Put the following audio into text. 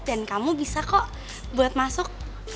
dan kamu bisa kok buat masuk